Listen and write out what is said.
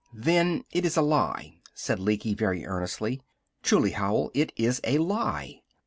"Then it is a lie," said Lecky, very earnestly. "Truly, Howell, it is a lie!"